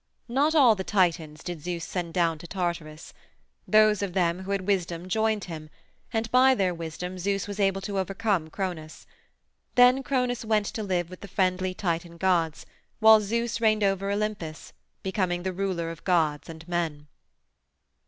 Not all the Titans did Zeus send down to Tartarus. Those of them who had wisdom joined him, and by their wisdom Zeus was able to overcome Cronos. Then Cronos went to live with the friendly Titan gods, while Zeus reigned over Olympus, becoming the ruler of gods and men.